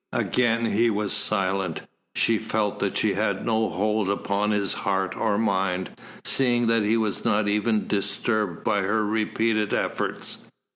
Again he was silent. She felt that she had no hold upon his heart or mind, seeing that he was not even disturbed by her repeated efforts.